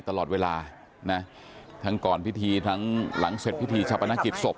ตลอดเวลานะทั้งก่อนพิธีทั้งหลังเสร็จพิธีชาปนกิจศพ